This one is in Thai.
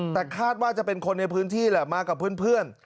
แต่คาดว่าจะเป็นคนในพื้นที่แหละมากับเพื่อน